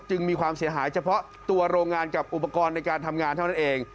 มีความเสียหายเฉพาะตัวโรงงานกับอุปกรณ์ในการทำงานเท่านั้นเอง